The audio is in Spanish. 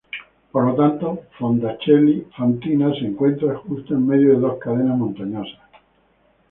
Por lo tanto Fondachelli-Fantina se encuentra justo en medio de dos cadenas montañosas.